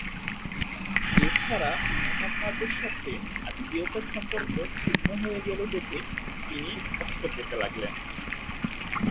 এছাড়া মুহাম্মাদের সাথে আত্মীয়তার সম্পর্ক ছিন্ন হয়ে গেলো দেখে তিনি কষ্ট পেতে লাগলেন।